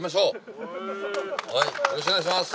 よろしくお願いします。